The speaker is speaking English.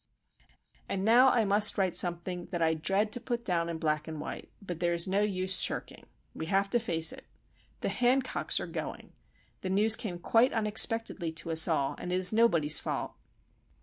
And now I must write something that I dread to put down in black and white;—but there is no use shirking. We have to face it. The Hancocks are going! The news came quite unexpectedly to us all, and it is nobody's fault.